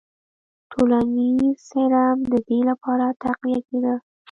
ټولنیز هرم د دې لپاره تقویه کېده.